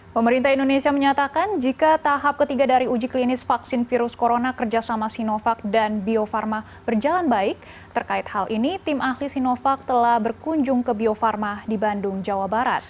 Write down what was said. pemerintah indonesia menyatakan jika tahap ketiga dari uji klinis vaksin virus corona kerjasama sinovac dan bio farma berjalan baik terkait hal ini tim ahli sinovac telah berkunjung ke bio farma di bandung jawa barat